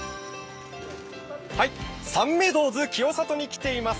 サンメドウズ清里に来ています。